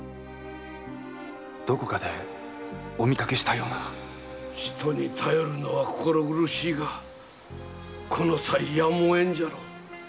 どこかでお見かけしたような人に頼るのは心苦しいがこの際やむをえぬじゃろう。